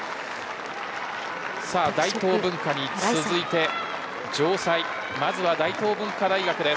大東文化に続いて城西、まずは大東文化大学です。